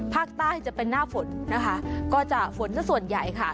ภาคใต้จะเป็นหน้าฝนนะคะก็จะฝนสักส่วนใหญ่ค่ะ